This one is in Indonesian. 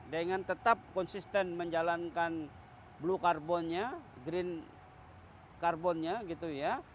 dengan tetap konsisten menjalankan blue carbon nya green carbon nya